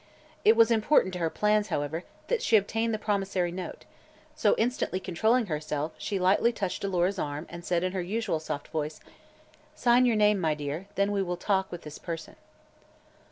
It was important to her plans, however, that she obtain the promissory note; so, instantly controlling herself, she lightly touched Alora's arm and said in her usual soft voice: "Sign your name, my dear, and then we will talk with this person."